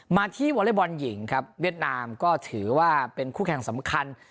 มาที่วอเล็กบอลหญิงครับเวียดนามก็ถือว่าเป็นคู่แข่งสำคัญ